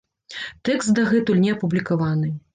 Тэкст дагэтуль не апублікаваны.